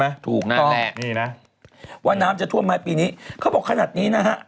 ถูกต้องนี่นะว่าน้ำจะท่วมไหมปีนี้เขาบอกขนาดนี้นะฮะ